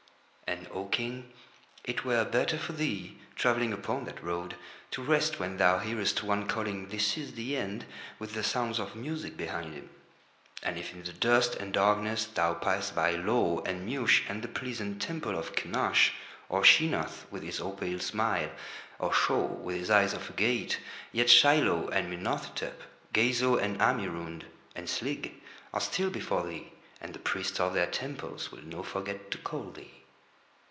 And, O King, it were better for thee, travelling upon that road, to rest when thou hearest one calling: "This is the End," with the sounds of music behind him. And if in the dust and darkness thou pass by Lo and Mush and the pleasant temple of Kynash, or Sheenath with his opal smile, or Sho with his eyes of agate, yet Shilo and Mynarthitep, Gazo and Amurund and Slig are still before thee and the priests of their temples will not forget to call thee.